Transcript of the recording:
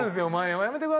やめてくださいよ。